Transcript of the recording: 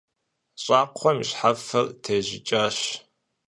ЩӀакхъуэм и щхьэфэр тежьыкӀащ.